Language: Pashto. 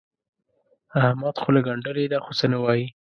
احمد خوله ګنډلې ده؛ څه نه وايي.